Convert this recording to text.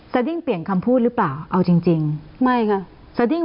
ซาดิ้งเปลี่ยนคำพูดหรือเปล่าเอาจริง